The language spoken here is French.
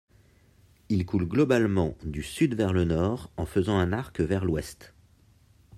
Il coule globalement du sud vers le nord en faisant un arc vers l'ouest.